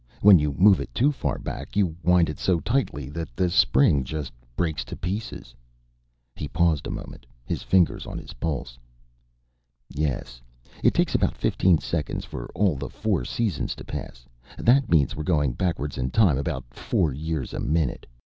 When you move it too far back, you wind it so tightly that the spring just breaks to pieces." He paused a moment, his fingers on his pulse. "Yes, it takes about fifteen seconds for all the four seasons to pass. That means we're going backward in time about four years a minute.